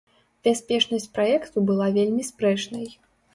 Бяспечнасць праекту была вельмі спрэчнай.